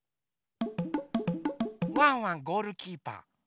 ワンワンゴールキーパー。